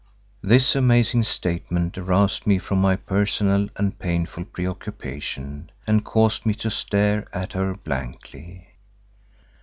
This amazing statement aroused me from my personal and painful pre occupation and caused me to stare at her blankly.